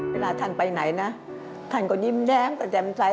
เวลาท่านไปไหนนะท่านก็ยิ้มแย้มก็แจ่มใจ